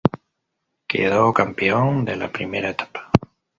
Quedó campeón de la primera etapa.